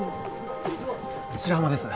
白浜です